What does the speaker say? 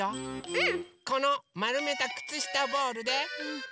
うん。